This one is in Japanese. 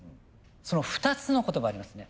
その２つの言葉ありますね。